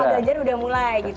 lapa ganjar sudah mulai gitu